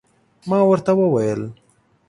ما ورته وویل